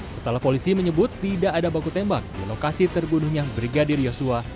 setelah polisi menyebut tidak ada baku tembak di lokasi terbunuhnya brigadir yosua